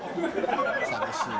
寂しいね。